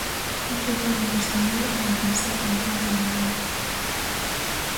Un ritual imprescindible para quen sente o entroido de Verín.